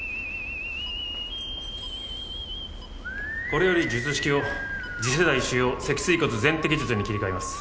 これより術式を次世代腫瘍脊椎骨全摘術に切り替えます。